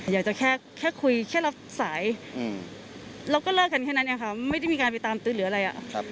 อยากจะแค่คุยแค่รับสายเราก็เลิกกันแค่นั้นเองค่ะไม่ได้มีการไปตามตื้อหรืออะไร